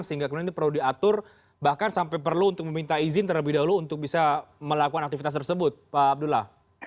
sehingga kemudian ini perlu diatur bahkan sampai perlu untuk meminta izin terlebih dahulu untuk bisa melakukan aktivitas tersebut pak abdullah